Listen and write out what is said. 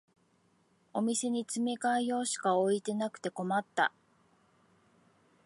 お店に詰め替え用しか置いてなくて困った